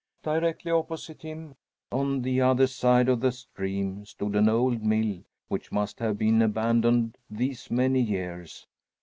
Directly opposite him, on the other side of the stream, stood an old mill, which must have been abandoned these many years.